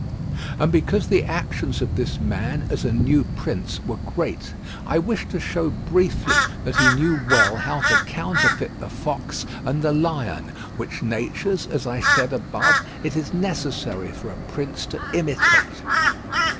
And because the actions of this man, as a new prince, were great, I wish to show briefly that he knew well how to counterfeit the fox and the lion, which natures, as I said above, it is necessary for a prince to imitate.